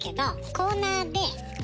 コーナーで。